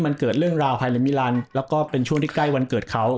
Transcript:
มันเกิดเรื่องราวภายในมิลันแล้วก็เป็นช่วงที่ใกล้วันเกิดเขา